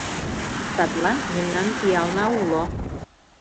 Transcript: Садлан мемнан пиална уло.